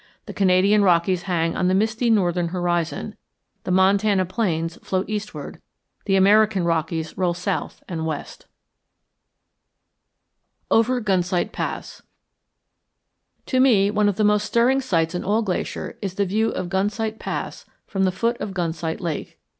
The Canadian Rockies hang on the misty northern horizon, the Montana plains float eastward, the American Rockies roll south and west. OVER GUNSIGHT PASS To me one of the most stirring sights in all Glacier is the view of Gunsight Pass from the foot of Gunsight Lake.